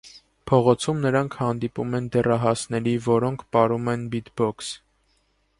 Փողոցում նրանք հանդիպում են դեռահասների, որոնք պարում են բիտբոքս։